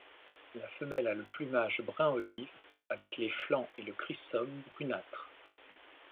La femelle a le plumage brun-olive avec les flancs et le crissum brunâtres.